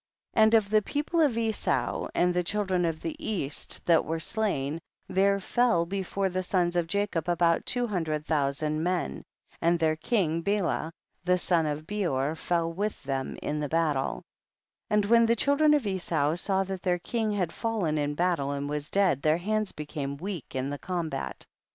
20. And of the people of Esau and the children of the east that were slain, there fell before the sons of Ja cob about two hundred thousand men, and their king Bela the son of Beor fell with them in the battle, and when the children of Esau saw that their king had fallen in battle and was dead, their hands became weak in the combat.